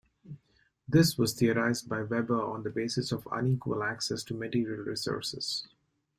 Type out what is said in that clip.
This was theorized by Weber on the basis of unequal access to material resources.